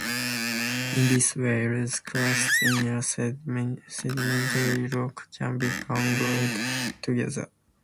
In this way, loose clasts in a sedimentary rock can become "glued" together.